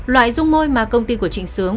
loại dung môi mà công ty của trịnh sướng